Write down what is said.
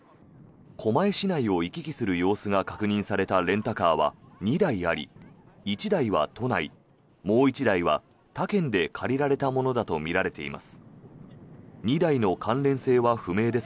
狛江市内を行き来する様子が確認されたレンタカーは２台あり１台は都内、もう１台は他県で借りられたものだとみられています。